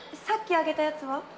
さっきあげたやつは？